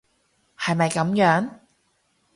係咪噉樣？